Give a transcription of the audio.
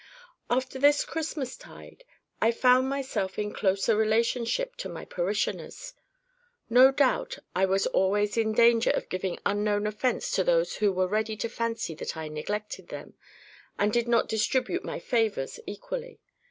After this Christmas tide, I found myself in closer relationship to my parishioners. No doubt I was always in danger of giving unknown offence to those who were ready to fancy that I neglected them, and did not distribute my FAVOURS equally.